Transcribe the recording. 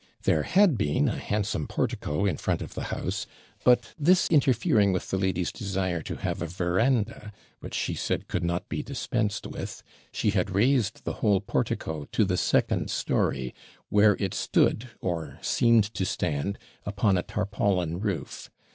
There had been a handsome portico in front of the house; but this interfering with the lady's desire to have a veranda, which she said could not be dispensed with, she had raised the whole portico to the second story, where it stood, or seemed to stand, upon a tarpaulin roof.